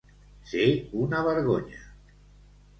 Ser una vergonya.